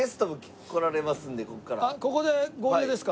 ここで合流ですか？